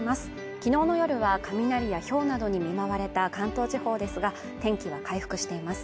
昨日の夜は雷やひょうなどに見舞われた関東地方ですが天気は回復しています